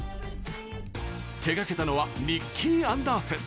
手掛けたのはニッキー・アンダーセン。